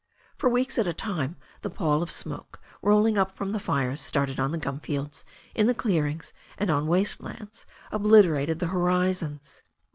For weeks at a time the pall of smoke rolling up from the fires started on the gum fields, in clearings and on waste lands, obliterated the horizons.